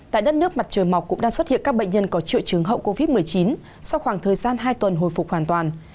tại đất nước mặt trời mọc cũng đang xuất hiện các bệnh nhân có triệu chứng hậu covid một mươi chín sau khoảng thời gian hai tuần hồi phục hoàn toàn